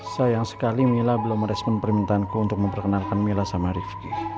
sayang sekali mila belum merespon permintaanku untuk memperkenalkan mila sama rifki